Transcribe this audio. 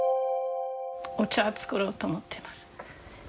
お茶作ろうと思ってます。